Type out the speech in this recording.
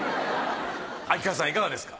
秋川さんいかがですか？